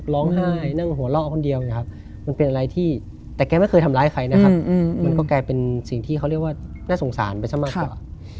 ร้องไห้นั่งหัวเลาะคนเดียวเนี่ยครับ